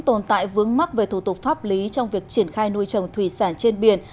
tồn tại vướng mắc về thủ tục pháp lý trong việc triển khai nuôi trồng thủy sản trên biển